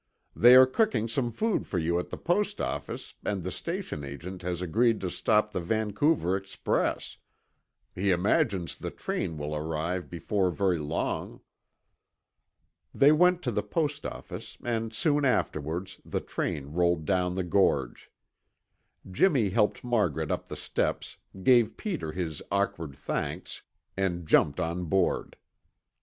They are cooking some food for you at the post office and the station agent has agreed to stop the Vancouver express. He imagines the train will arrive before very long." They went to the post office and soon afterwards the train rolled down the gorge. Jimmy helped Margaret up the steps, gave Peter his awkward thanks, and jumped on board.